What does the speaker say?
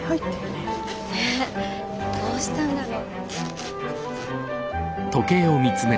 ねえどうしたんだろ？